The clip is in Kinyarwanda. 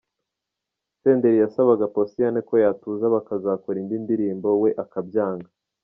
Senderi yasabaga Posiyani ko yatuza bakazakora indi ndirimbo, we akabyanga.